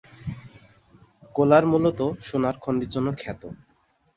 কোলার মুলত সোনার খনির জন্য খ্যাত।